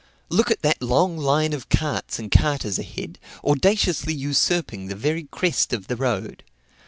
Look at that long line of carts and carters ahead, audaciously usurping the very crest of the road.